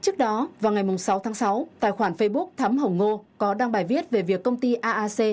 trước đó vào ngày sáu tháng sáu tài khoản facebook thắm hồng ngô có đăng bài viết về việc công ty aac